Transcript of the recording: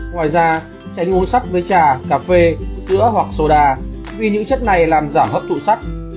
ngoài ra tránh uống sắt với trà cà phê sữa hoặc soda vì những chất này làm giảm hấp thụ sắt